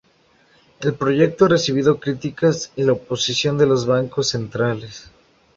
El proyecto ha recibido críticas y la oposición de los bancos centrales.